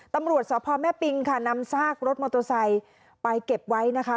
ตำรวจสพแม่ปิงค่ะนำซากรถมอเตอร์ไซค์ไปเก็บไว้นะคะ